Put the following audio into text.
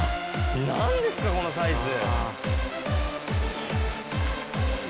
何ですかこのサイズ！